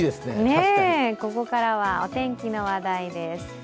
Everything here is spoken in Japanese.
ここからはお天気の話題です。